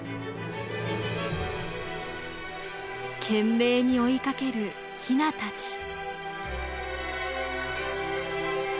懸命に追いかけるヒナたち。